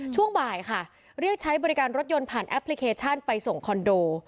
ช่วงบ่ายค่ะเรียกใช้บริการรถยนต์ผ่านแอปพลิเคชันไปส่งคอนโด